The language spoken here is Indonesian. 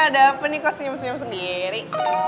ada apa nih kok senyum senyum sendiri